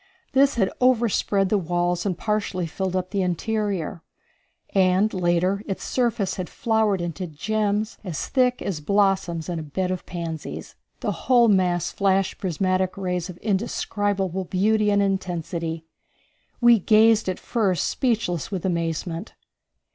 This had overspread the walls and partially filled up the interior, and later its surface had flowered into gems, as thick as blossoms in a bed of pansies. The whole mass flashed prismatic rays of indescribable beauty and intensity. We gazed at first speechless with amazement.